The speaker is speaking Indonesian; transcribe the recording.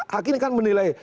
hakim ini kan menilai